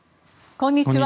こんにちは。